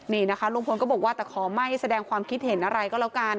นี่นะคะลุงพลก็บอกว่าแต่ขอไม่แสดงความคิดเห็นอะไรก็แล้วกัน